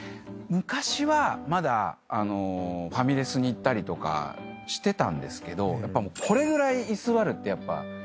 昔はまだファミレスに行ったりとかしてたんですけどこれぐらい居座るってやっぱ。